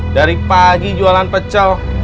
dari pagi jualan pecel